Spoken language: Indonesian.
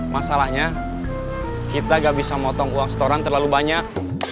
masalahnya kita gak bisa motong uang setoran terlalu banyak